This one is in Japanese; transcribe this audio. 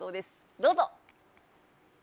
どうぞ。